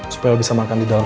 supaya bisa makan di dalam